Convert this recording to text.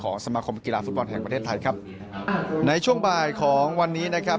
สมาคมกีฬาฟุตบอลแห่งประเทศไทยครับในช่วงบ่ายของวันนี้นะครับ